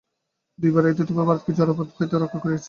দুইবার এই অদ্বৈতবাদ ভারতকে জড়বাদ হইতে রক্ষা করিয়াছে।